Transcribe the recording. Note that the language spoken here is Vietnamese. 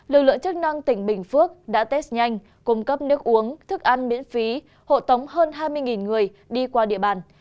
lực lượng chức năng tỉnh bình phước đã test nhanh cung cấp nước uống thức ăn miễn phí hộ tống hơn hai mươi người đi qua địa bàn